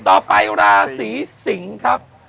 ต่อไปราศีสิงครับ